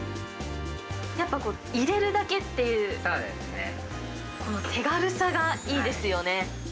やっぱり入れるだけっていう、この手軽さがいいですよね。